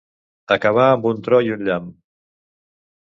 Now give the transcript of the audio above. Acabar amb un tro i un llamp.